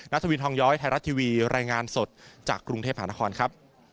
สวินทองย้อยไทยรัฐทีวีรายงานสดจากกรุงเทพหานครครับ